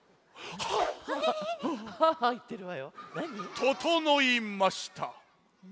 ととのいました！